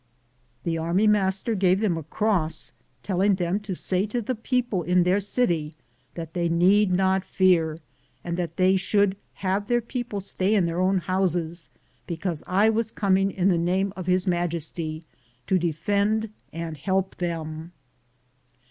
The army master gave them a cross, telling them to say to the people in their city that they need not fear, and that they should have their people stay in their own houses, be cause I was coming in the name of His Maj esty to defend and help them.